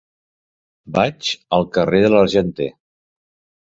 Vaig al carrer de l'Argenter.